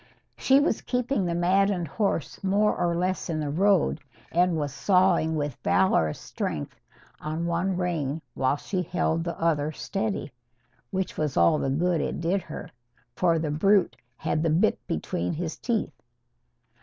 She was keeping the maddened horse more or less in the road, and was sawing with valorous strength on one rein while she held the other steady. Which was all the good it did her. For the brute had the bit between his teeth.